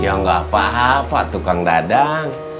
ya nggak apa apa tuh kang dadang